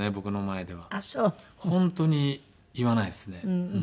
本当に言わないですね。